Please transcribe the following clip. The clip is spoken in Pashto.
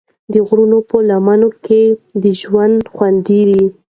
د غرونو په لمنو کې د ژوند خوند وي.